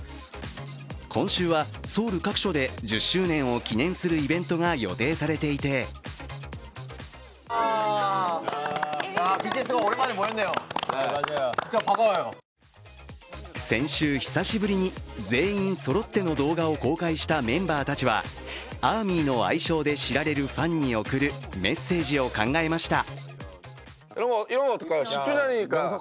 今週はソウル各所で１０周年を記念するイベントが予定されていて先週、久しぶりに全員そろっての動画を公開したメンバーたちはＡＲＭＹの愛称で知られるファンに贈るメッセージを考えました。